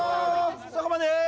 そこまで！